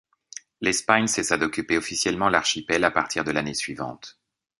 L'Espagne cessa d'occuper officiellement l'archipel à partir de l'année suivante.